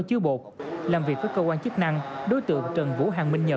thì việc hiến máu rất có ý nghĩa